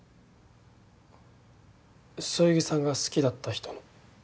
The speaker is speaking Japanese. そよぎさんが好きだった人の？